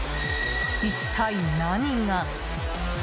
一体、何が？